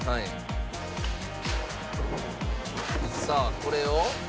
さあこれを。